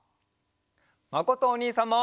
まことおにいさんも。